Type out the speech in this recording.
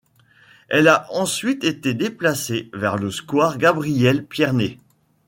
Elle a ensuite été déplacée vers le square Gabriel-Pierné.